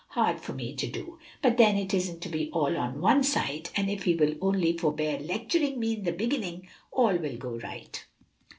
Hard for me to do, but then it isn't to be all on one side; and if he will only forbear lecturing me in the beginning, all will go right.